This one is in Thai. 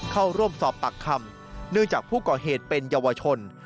เข้าร่วมสอบปากคำเนื่องจากผู้ก่อเหตุเป็นเยาวชน